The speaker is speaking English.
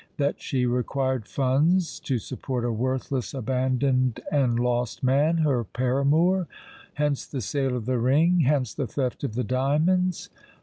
That she required funds to support a worthless, abandoned, and lost man—her paramour! Hence the sale of the ring—hence the theft of the diamonds.